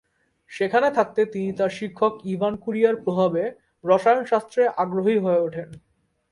সেখানে থাকতে তিনি তার শিক্ষক ইভান কুরিয়ার প্রভাবে রসায়ন শাস্ত্রে আগ্রহী হয়ে ওঠেন।